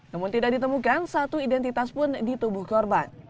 namun tidak ditemukan satu identitas pun di tubuh korban